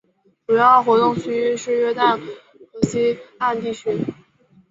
主要活动区域是约旦河西岸地区。